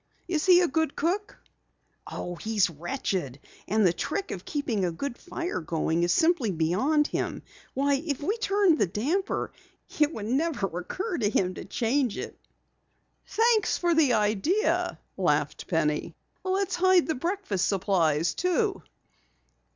Is he a good cook?" "Oh, wretched. And the trick of keeping a good fire going is simply beyond him. Why, if we turned the damper, it never would occur to him to change it." "Thanks for the idea," laughed Penny. "Let's hide the breakfast supplies, too."